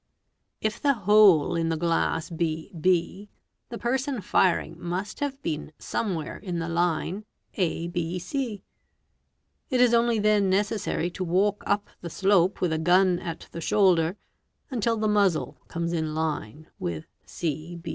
If the hole the glass be b, the person firing must have been somewhere 1 Big. 59. the line abe. It is only the necessary to walk up the slope with a gun at the shoulder, until th muzzle comes in line with ¢ ba.